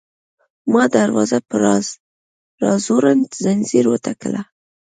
ما دروازه په راځوړند ځنځیر وټکوله.